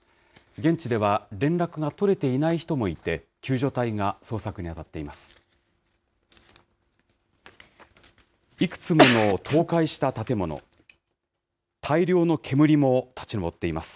現地では連絡が取れていない人もいて、救助隊が捜索に当たっています。